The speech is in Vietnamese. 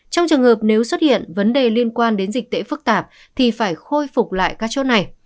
trong trường hợp nếu xuất hiện vấn đề liên quan đến dịch tễ phức tạp thì phải khôi phục lại các chốt này